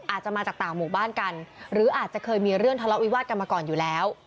อาจจะมาจากต่างหมู่บ้านกันหรืออาจจะเคยมีเรื่องทะเลาะวิวาสกันมาก่อนอยู่แล้ว